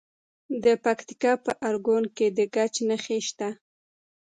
د پکتیکا په ارګون کې د ګچ نښې شته.